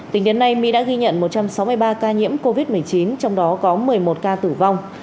tính đến nay mỹ đã ghi nhận một trăm sáu mươi ba ca nhiễm covid một mươi chín trong đó có một mươi một ca tử vong